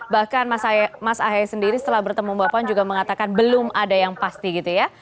bahkan mas ahy sendiri setelah bertemu mbak puan juga mengatakan belum ada yang pasti gitu ya